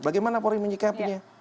bagaimana polri menyikapinya